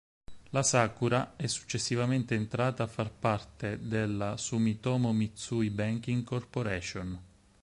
La Sakura è successivamente entrata a far parte della Sumitomo Mitsui Banking Corporation.